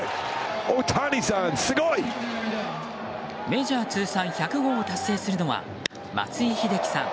メジャー通算１００号を達成するのは松井秀喜さん